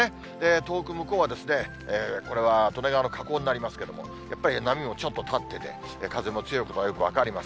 遠く向こうはですね、これは利根川の河口になりますけど、やっぱり波もちょっと立ってて、風も強いのがよく分かります。